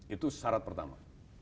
itu syarat pertama